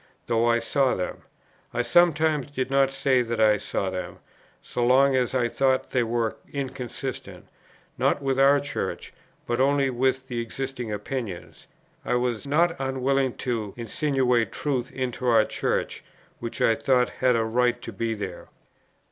Though I saw them, I sometimes did not say that I saw them: so long as I thought they were inconsistent, not with our Church, but only with the existing opinions, I was not unwilling to insinuate truths into our Church, which I thought had a right to be there."